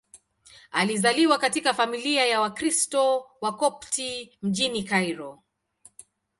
Alizaliwa katika familia ya Wakristo Wakopti mjini Kairo.